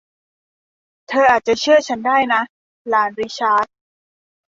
เธออาจจะเชื่อฉันได้นะ หลานริชาร์ด